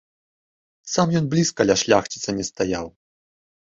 Сам ён блізка ля шляхціца не стаяў.